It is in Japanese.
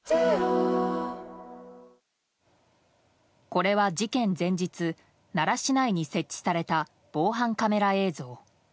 これは事件前日奈良市内に設置された防犯カメラ映像。